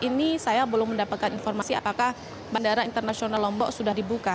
ini saya belum mendapatkan informasi apakah bandara internasional lombok sudah dibuka